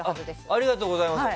ありがとうございます。